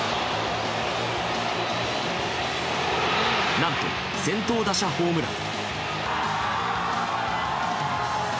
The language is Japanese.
何と先頭打者ホームラン。